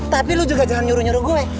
tapi lu juga jangan nyuruh nyuruh gue